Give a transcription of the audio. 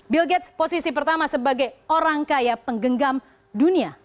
bill gates posisi pertama sebagai orang kaya penggenggam dunia